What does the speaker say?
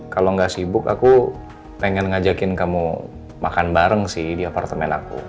kalau nggak sibuk aku pengen ngajakin kamu makan bareng sih di apartemen aku